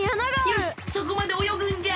よしそこまでおよぐんじゃ！